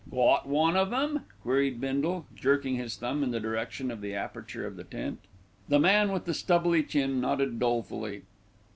"Got one of 'em?" queried Bindle, jerking his thumb in the direction of the aperture of the tent. The man with the stubbly chin nodded dolefully.